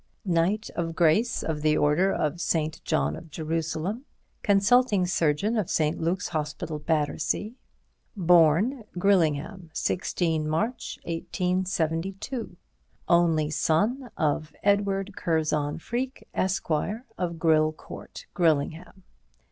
Knight of Grace of the Order of S. John of Jerusalem; Consulting Surgeon of St. Luke's Hospital, Battersea. b. Gryllingham, 16 March 1872, only son, of Edward Curzon Freke Esq. of Gryll Court, Gryllingham.